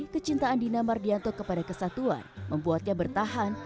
kecintaan dina mardianto kepada kesatuan membuatnya bertahan